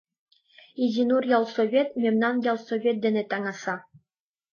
Изинур ялсовет мемнан ялсовет дене таҥаса.